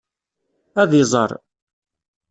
Ad iẓer.